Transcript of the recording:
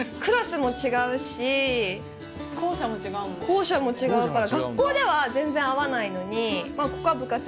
校舎も違うから。